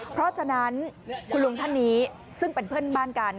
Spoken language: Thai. เพราะฉะนั้นคุณลุงท่านนี้ซึ่งเป็นเพื่อนบ้านกัน